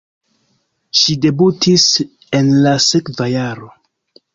Ŝi debutis en la sekva jaro.